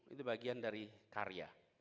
itu bagian dari karya